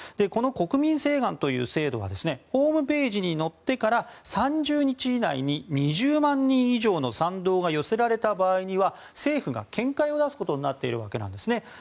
この国民請願という制度はホームページに載ってから３０日以内に２０万人以上の賛同が寄せられた場合には政府が見解を出すことになっているわけです。